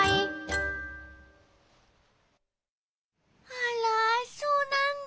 あらそうなんだ。